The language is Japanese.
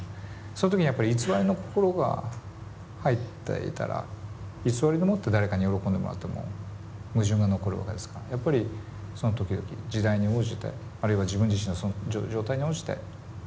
その時にやっぱり偽りの心が入っていたら偽りでもって誰かに喜んでもらっても矛盾が残るわけですからやっぱりその時々時代に応じてあるいは自分自身のその状態に応じて正直でありたいなっていうのは。